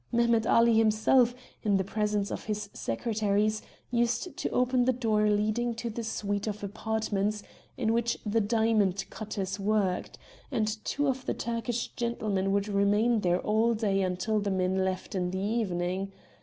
Mehemet Ali himself, in the presence of his secretaries, used to open the door leading to the suite of apartments in which the diamond cutters worked, and two of the Turkish gentlemen would remain there all day until the men left in the evening.